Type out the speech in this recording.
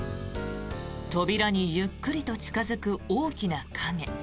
扉にゆっくりと近付く大きな影。